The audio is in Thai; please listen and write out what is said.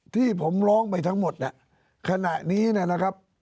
ที่ผมร้องไปทั้งหมดขณะนี้นะครับ